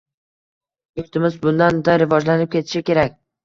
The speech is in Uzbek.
Yurtimiz bundan-da rivojlanib ketishi kerak.